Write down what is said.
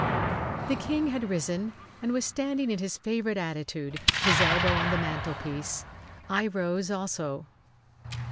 The King had risen and was standing in his favourite attitude, his elbow on the mantelpiece. I rose also.